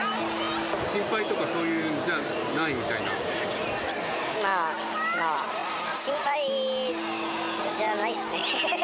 心配とか、そういうのじゃなまあ、まあ、心配じゃないっすね。